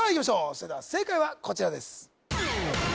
それでは正解はこちらです